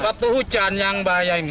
waktu hujan yang bahaya ini